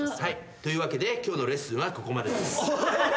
というわけで今日のレッスンはここまでです。